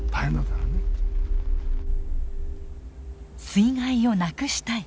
水害をなくしたい。